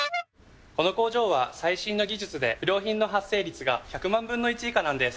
この工場は最新の技術で不良品の発生率が１００万分の１以下なんです。